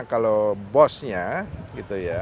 kalau bosnya gitu ya